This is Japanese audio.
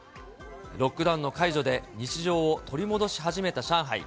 ロックダウンの解除で日常を取り戻し始めた上海。